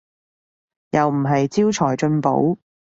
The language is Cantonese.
又唔係招財進寶